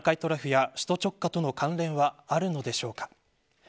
南海トラフや首都直下との関連はあるのでしょうか。